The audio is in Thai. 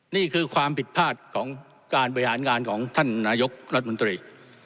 นี่คือความผิดพลาดของการบริหารงานของท่านนายกรัฐมนตรี